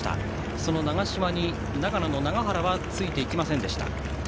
その長嶋に、長野の永原はついていきませんでした。